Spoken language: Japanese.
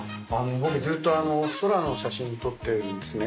僕ずっと空の写真撮ってるんですね